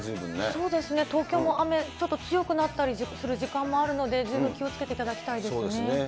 そうですね、東京も雨、ちょっと強くなったりする時間もあるので、十分気をつけていただそうですね。